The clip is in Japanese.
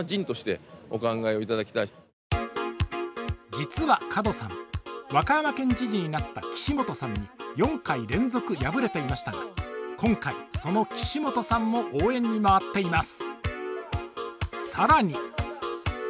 実は門さん、和歌山県知事になった岸本さんに４回連続敗れていましたが、今回その岸本さんも応援に回っています。